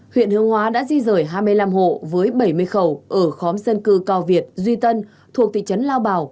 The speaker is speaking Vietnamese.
huyện hướng hóa đã di rời hai mươi năm hộ với bảy mươi khẩu ở khóm dân cư cao việt duy tân thuộc thị trấn lao bảo